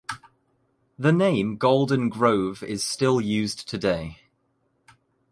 The name Golden Grove is still used today.